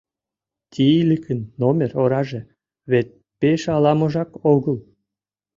Тииликын номер ораже вет пеш ала-можак огыл.